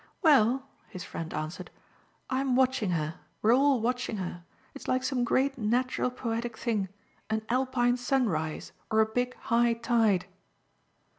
"Well," his friend answered, "I'm watching her. We're all watching her. It's like some great natural poetic thing an Alpine sunrise or a big high tide."